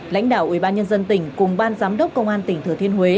lãnh đạo ủy ban nhân dân tỉnh cùng ban giám đốc công an tỉnh thừa thiên huế